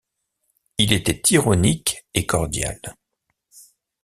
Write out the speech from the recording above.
Il était ironique et cordial.